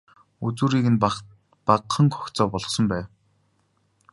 Үзүүрийг нь багахан гогцоо болгосон байв.